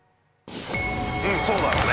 うんそうだろうね。